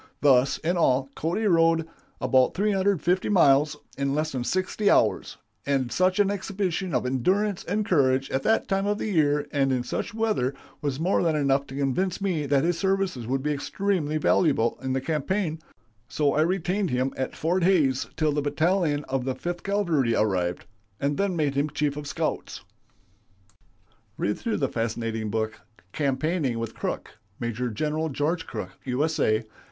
Thus, in all, Cody rode about three hundred and fifty miles in less than sixty hours, and such an exhibition of endurance and courage at that time of the year and in such weather was more than enough to convince me that his services would be extremely valuable in the campaign, so I retained him at Fort Hays till the battalion of the Fifth Cavalry arrived, and then made him chief of scouts." [Illustration: BUFFALO BILL AS BUFFALO HUNTER.] Read through the fascinating book, "Campaigning with Crook (Maj. Gen. George Crook, U. S. A.)